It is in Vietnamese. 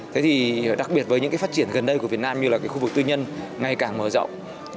thế thì đặc biệt với những phát triển gần đây của việt nam như là khu vực tư nhân ngay càng mở rộng